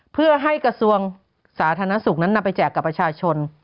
เพื่อให้กระทรวงสาธารณสุขนั้นนำไปแจกกับประชาชน